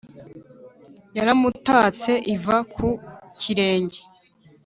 Yaramutatse iva ku kirenge